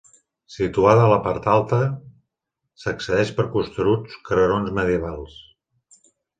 Situada a la part alta, s'accedeix per costeruts carrerons medievals.